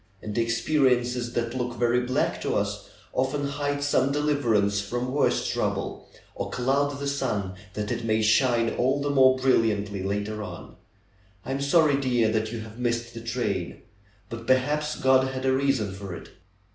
And experiences that look very black to us often hide some deliverance from worse trouble, or cloud the sun, that it may shine all the more brilliantly later on. I am sorry, dear, that you have missed the train. But perhaps God had a reason for it."